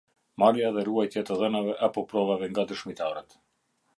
Marrja dhe ruajtja e të dhënave apo provave nga dëshmitarët.